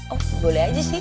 oh boleh aja sih